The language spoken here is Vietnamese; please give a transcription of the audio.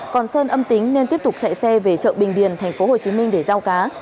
còn sơn âm tính nên tiếp tục chạy xe về chợ bình điền tp hcm để giao cá